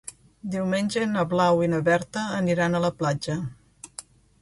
Diumenge na Blau i na Berta aniran a la platja.